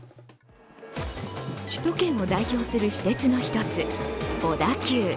首都圏を代表する私鉄の一つ、小田急。